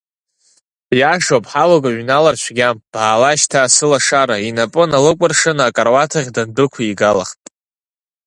Иашоуп, ҳауак ҩналар цәгьам, баала шьҭа, сылашара, инапы налыкәыршаны акаруаҭ ахь дындәықәигалахт…